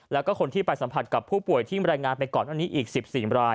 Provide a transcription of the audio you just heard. แล้วก็คนที่ไปสัมผัสกับผู้ป่วยที่รายงานไปก่อนอันนี้อีก๑๔ราย